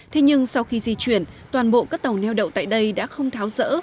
thế nhưng sau khi di chuyển toàn bộ các tàu neo đậu tại đây đã không tháo rỡ